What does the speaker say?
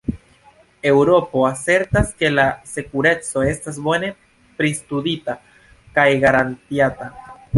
Eŭropo asertas ke la sekureco estas bone pristudita kaj garantiata.